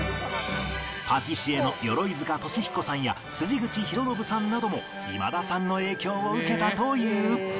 パティシエの鎧塚俊彦さんや辻口博啓さんなども今田さんの影響を受けたという